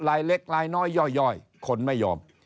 ลายเล็กลายน้อยย่อยคนไม่ยอม